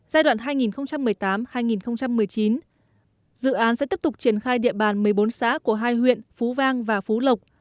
giai đoạn hai nghìn một mươi tám hai nghìn một mươi chín dự án sẽ tiếp tục triển khai địa bàn một mươi bốn xã của hai huyện phú vang và phú lộc